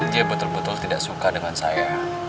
dia betul betul tidak suka dengan saya